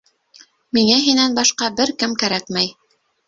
Миңә һинән башҡа бер кем кәрәкмәй.